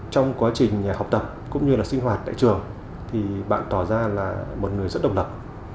trong quá trình học tập cũng như là sinh hoạt tại trường thì bạn tỏ ra là một người rất độc lập